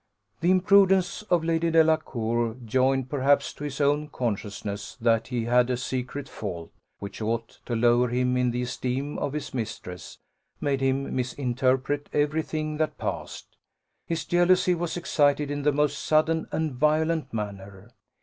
The imprudence of Lady Delacour, joined perhaps to his own consciousness that he had a secret fault, which ought to lower him in the esteem of his mistress, made him misinterpret every thing that passed his jealousy was excited in the most sudden and violent manner.